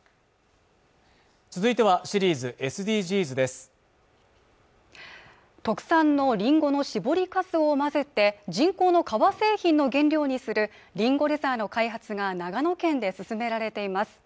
続いてはシリーズ「ＳＤＧｓ」です特産のリンゴの搾りかすを混ぜて人工の皮製品の原料にするりんごレザーの開発が長野県で進められています